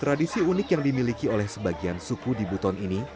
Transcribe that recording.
tradisi unik yang dimiliki oleh sebagian suku di buton ini